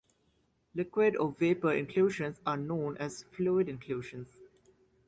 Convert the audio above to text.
Liquid or vapor inclusions are known as fluid inclusions.